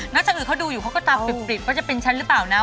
แล้วจากอื่นเขาดูอยู่เขาก็ตาปริบว่าจะเป็นฉันหรือเปล่านะ